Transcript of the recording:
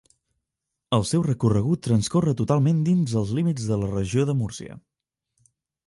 El seu recorregut transcorre totalment dins dels límits de la Regió de Múrcia.